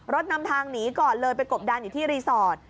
นำทางหนีก่อนเลยไปกบดันอยู่ที่รีสอร์ท